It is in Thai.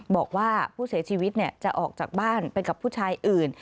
บอกว่าผู้เสียชีวิตจะออกจากบ้านไปกับผู้ชายอื่น